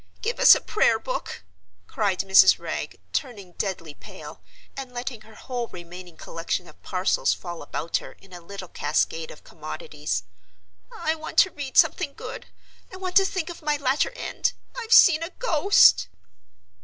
Give us a Prayer book!" cried Mrs. Wragge, turning deadly pale, and letting her whole remaining collection of parcels fall about her in a little cascade of commodities. "I want to read something Good. I want to think of my latter end. I've seen a Ghost!"